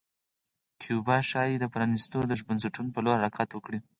کیوبا ښايي د پرانیستو بنسټونو په لور حرکت وکړي.